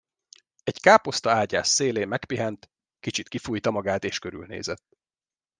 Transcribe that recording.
Egy káposztaágyás szélén megpihent, kicsit kifújta magát és körülnézett.